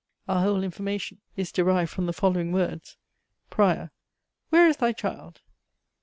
Our whole information is derived from the following words "PRIOR. Where is thy child?